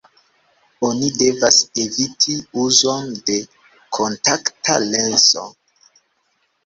Oni devas eviti uzon de kontakta lenso.